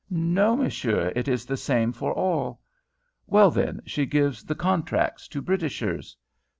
"No, monsieur; it is the same for all." "Well, then, she gives the contracts to Britishers?"